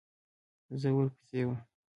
زه ورپسې وم .